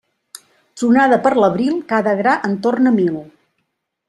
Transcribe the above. Tronada per l'abril, cada gra en torna mil.